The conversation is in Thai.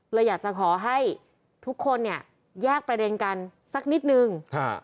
เลยอยากจะขอให้ทุกคนเนี่ยแยกประเด็นกันสักนิดนึง